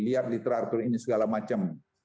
lihat literatur ini segala macam